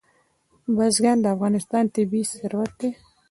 بزګان د افغانستان طبعي ثروت دی.